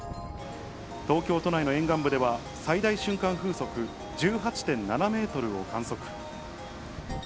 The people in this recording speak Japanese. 東京都内の沿岸部では、最大瞬間風速１８．７メートルを観測。